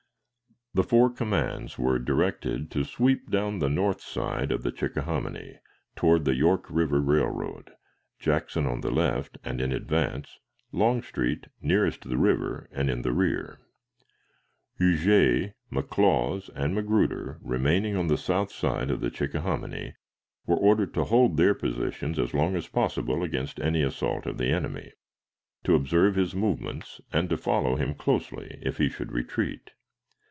The four commands were directed to sweep down the north side of the Chickahominy toward the York River Railroad Jackson on the left and in advance; Longstreet nearest the river and in the rear. Huger, McLaws, and Magruder, remaining on the south side of the Chickahominy, were ordered to hold their positions as long as possible against any assault of the enemy; to observe his movements, and to follow him closely if he should retreat.